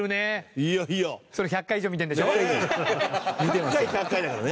各回１００回だからね。